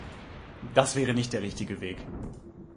Das wäre nicht der richtige Weg.